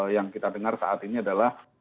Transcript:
yang kita dengar saat ini adalah